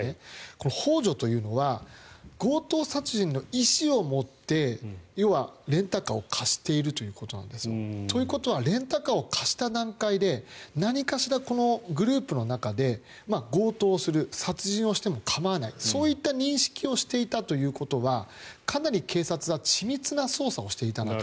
このほう助というのは強盗殺人の意思を持って要はレンタカーを貸しているということなんですよ。ということはレンタカーを貸した段階で何かしらこのグループの中で強盗する、殺人をしても構わないそういった認識をしていたということはかなり警察は緻密な捜査をしていたなと。